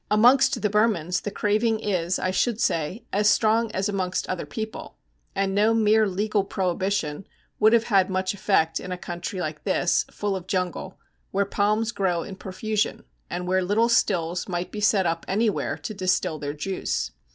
Amongst the Burmans the craving is, I should say, as strong as amongst other people; and no mere legal prohibition would have had much effect in a country like this, full of jungle, where palms grow in profusion, and where little stills might be set up anywhere to distil their juice.